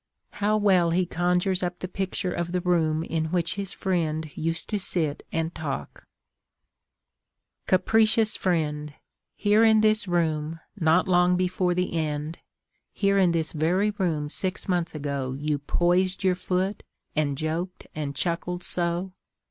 How well he conjures up the picture of the room in which his friend used to sit and talk: Capricious friend! Here in this room, not long before the end, Here in this very room six months ago You poised your foot and joked and chuckled so.